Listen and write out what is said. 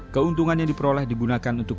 keuntungan yang diperoleh digunakan untuk